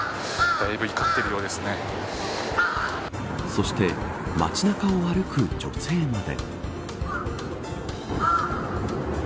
そして、街中を歩く女性まで。